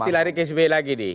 pasti lari ksb lagi nih